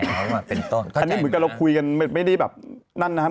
อันนี้เหมือนกับเราคุยกันไม่ได้แบบนั้นนะครับ